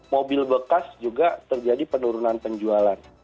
mobil bekas juga terjadi penurunan penjualan